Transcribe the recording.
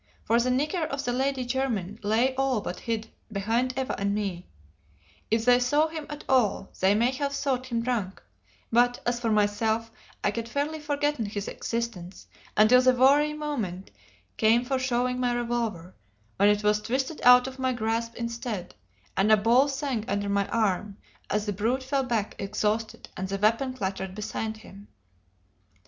For the nigger of the Lady Jermyn lay all but hid behind Eva and me; if they saw him at all, they may have thought him drunk; but, as for myself, I had fairly forgotten his existence until the very moment came for showing my revolver, when it was twisted out of my grasp instead, and a ball sang under my arm as the brute fell back exhausted and the weapon clattered beside him.